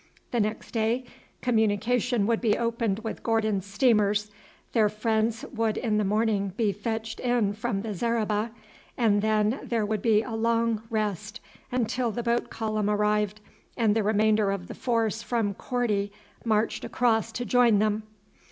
The next day communication would be opened with Gordon's steamers, their friends would in the morning be fetched in from the zareba, and then there would be a long rest until the boat column arrived and the remainder of the force from Korti marched across to join them.